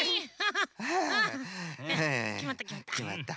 ハッきまったきまった。